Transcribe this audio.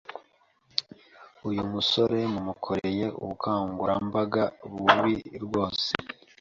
Uyu musore mumukoreye ubukangurambaga bubi rwose